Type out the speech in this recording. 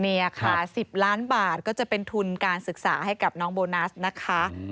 นี่ค่ะ๑๐ล้านบาทก็จะเป็นทุนการศึกษาให้กับน้องโบนัสนะคะ